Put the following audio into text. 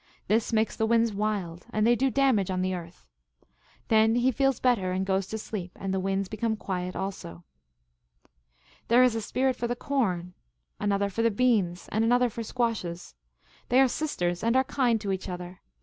This makes the winds wild, and they do damage on the earth. Then he feels better and goes to sleep, and the winds become quiet also. " There is a spirit for the corn, another for beans, another for squashes. They are sisters, and are very kind to each other.